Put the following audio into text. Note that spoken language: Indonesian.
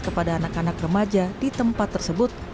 kepada anak anak remaja di tempat tersebut